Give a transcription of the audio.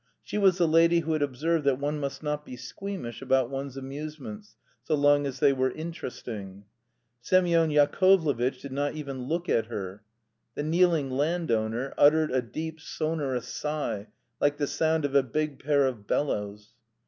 She was the lady who had observed that one must not be squeamish about one's amusements, so long as they were interesting. Semyon Yakovlevitch did not even look at her. The kneeling landowner uttered a deep, sonorous sigh, like the sound of a big pair of bellows.